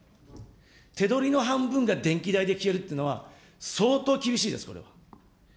手取りの半分が電気代で消えるっていうのは、相当厳しいです、これ。